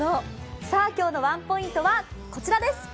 今日のワンポイントはこちらです。